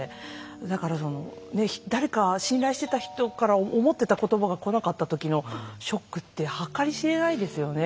だから誰か信頼してた人から思ってた言葉が来なかった時のショックって計り知れないですよね。